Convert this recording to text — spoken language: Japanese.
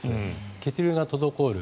血流が滞る。